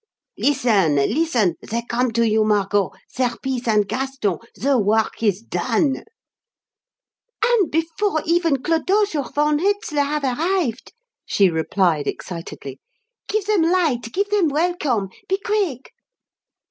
"Listen! listen! They come to you, Margot Serpice and Gaston. The work is done." "And before even Clodoche or von Hetzler have arrived!" she replied excitedly. "Give them light, give them welcome. Be quick!"